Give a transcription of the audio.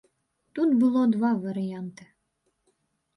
Тут было два варыянты.